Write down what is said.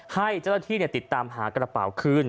ให้เจ้าหน้าที่ติดตามหากระเป๋าคืน